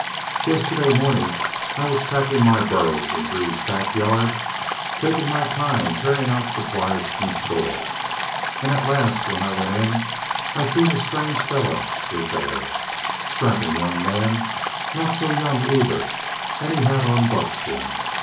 Yestiddy mornin' I was packin' my burros in Greaves' back yard, takin' my time carryin' out supplies from the store. An' as last when I went in I seen a strange fellar was thar. Strappin' young man not so young, either an' he had on buckskin.